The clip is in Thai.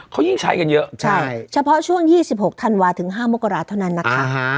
เขายิ่งใช้กันเยอะเฉพาะช่วง๒๖ธันวาถึง๕มกราศเท่านั้นนะคะ